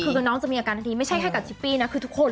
คือน้องจะมีอาการทันทีไม่ใช่แค่กับชิปปี้นะคือทุกคน